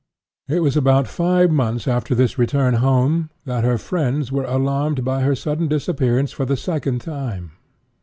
It was about five months after this return home, that her friends were alarmed by her sudden disappearance for the second time.